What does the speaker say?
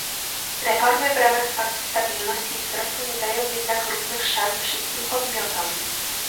Reformy w ramach paktu stabilności i wzrostu nie dają jednak równych szans wszystkim podmiotom